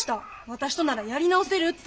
私とならやり直せるって。